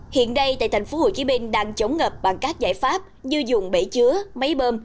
hiện đây tại tp hcm đang chống ngập bằng các giải pháp như dùng bể chứa máy bơm